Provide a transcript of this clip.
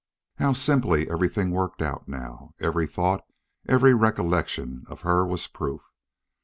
How simply everything worked out now! Every thought, every recollection of her was proof.